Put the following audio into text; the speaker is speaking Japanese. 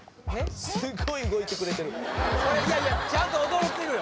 すっごい動いてくれてるいやいやちゃんと踊れてるよ